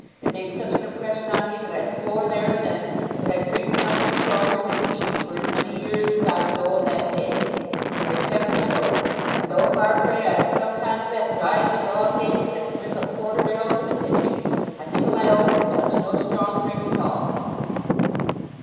It made such an impression on me that I swore, there and then, that I'd drink nothing stronger than tea for as many years as I was old that day. I have kept my oath; and though, Farfrae, I am sometimes that dry in the dog days that I could drink a quarter barrel to the pitching, I think o' my oath, and touch no strong drink at all."